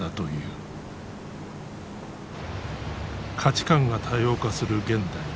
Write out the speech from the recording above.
価値観が多様化する現代。